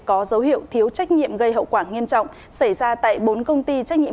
có dấu hiệu thiếu trách nhiệm gây hậu quả nghiêm trọng xảy ra tại bốn công ty trách nhiệm